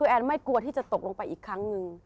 แอนไม่กลัวที่จะตกลงไปอีกครั้งหนึ่ง